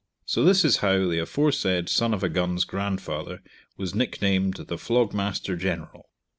So this is how the aforesaid son of a gun's grandfather was nicknamed the flogmaster general.